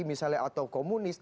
misalnya atau komunis